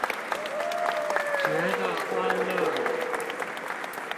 覺得歡樂